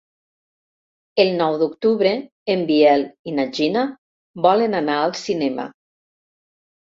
El nou d'octubre en Biel i na Gina volen anar al cinema.